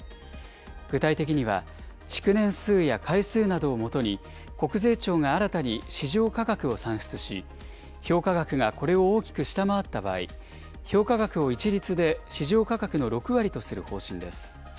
具体的には、築年数や回数などをもとに、国税庁が新たに市場価格を算出し、評価額がこれを大きく下回った場合、評価額を一律で市場価格の６割とする方針です。